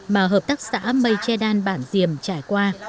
mà hợp tác xã mây che đan bản diềm trải qua